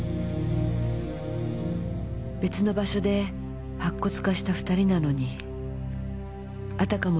別の場所で白骨化した２人なのにあたかも